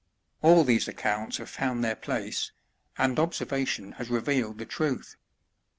All these accounts have found their place, and observation has revealed the truth.